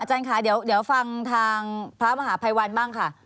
อาจารย์ค่ะเดี๋ยวฟังทางภาพมหาปรไพยวัณฑ์บ้างค่ะ